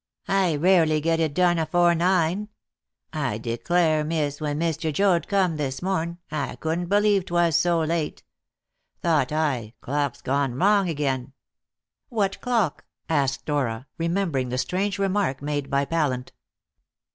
I rarely get it done afore nine. I declare, miss, when Mr. Joad come this morn, I couldn't believe 'twas so late. Thought I, Clock's gone wrong again." "What clock?" asked Dora, remembering the strange remark made by Pallant.